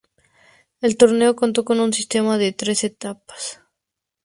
El torneo contó con un sistema de tres etapas.